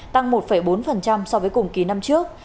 tăng một bốn so với cùng kỳ năm trước